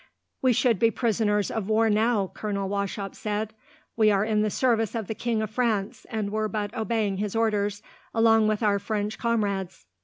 "We should be prisoners of war, now," Colonel Wauchop said. "We are in the service of the King of France, and were but obeying his orders, along with our French comrades."